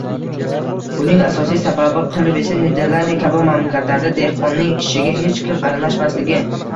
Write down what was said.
Buning asosiy sababi qilib esa Niderlandiya kabi mamlakatlarda dehqonning ishiga hech kim aralashmasligi